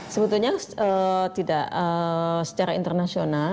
sebetulnya tidak secara internasional